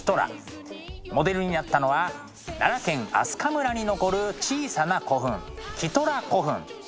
モデルになったのは奈良県明日香村に残る小さな古墳キトラ古墳。